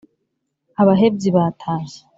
abahebyi batashye.